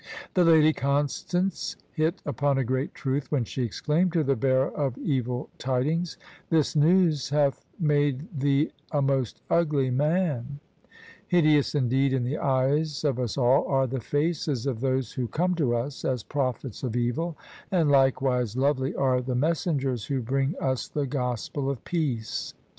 The Lady Constance hit upon a great truth when she exclaimed to the bearer of evil tidings — "This news hath made thee a most ugly manl " Hideous indeed in the eyes of us all are the faces of those who come to us as prophets of evil: and likewise lovely are the messengers who bring us the gospel of peace!